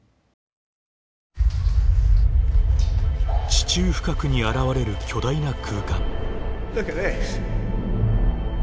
地中深くに現れる巨大な空間。